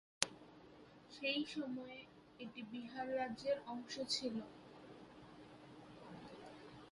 সেই সময়ে এটি বিহার রাজ্যের অংশ ছিল।